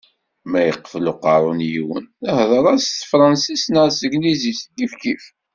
Ma yeqfel uqerru n yiwen, hder-as s tefransist neɣ s teglizit, kifkif.